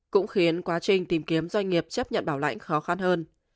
cũng khiến quá trình tìm kiếm doanh nghiệp chấp nhận bảo lãnh khó khăn hơn